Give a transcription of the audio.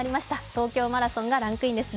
東京マラソンがランクインです。